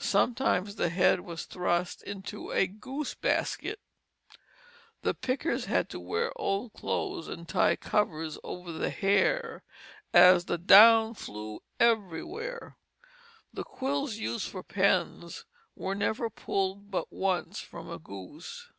Sometimes the head was thrust into a goose basket. The pickers had to wear old clothes and tie covers over the hair, as the down flew everywhere. The quills, used for pens, were never pulled but once from a goose.